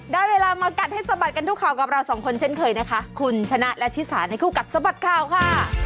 ได้เวลามากัดให้สะบัดกันทุกข่าวกับเราสองคนเช่นเคยนะคะคุณชนะและชิสาในคู่กัดสะบัดข่าวค่ะ